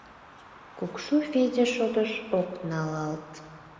Кукшу Федя шотыш ок налалт.